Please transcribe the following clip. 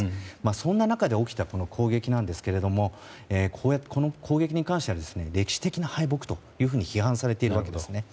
そんな中で起きた攻撃なんですがこの攻撃に関しては歴史的な敗北と批判されているわけですね。